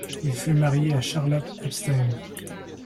Il fut marié à Charlotte Epstein.